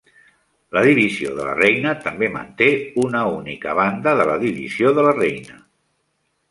La Divisió de la reina també manté una única Banda de la Divisió de la reina.